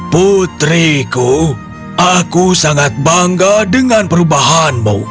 putriku aku sangat bangga dengan perubahanmu